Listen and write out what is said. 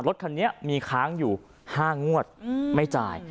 รถคันนี้มีค้างอยู่๕งวดไม่จ่าย